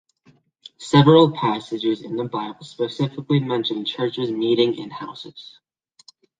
Several passages in the Bible specifically mention churches meeting in houses.